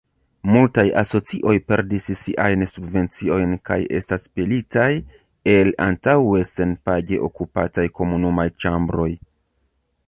Multaj asocioj perdis siajn subvenciojn kaj estas pelitaj el antaŭe senpage okupataj komunumaj ĉambroj.